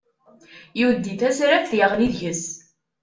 Yuddi tasraft yeɣli deg-s